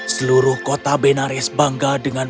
seluruh kota benares bangga dengan